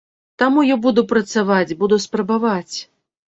Таму я буду працаваць, буду спрабаваць.